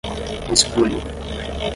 esbulho